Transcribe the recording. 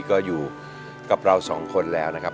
ก็อยู่กับเราสองคนแล้วนะครับ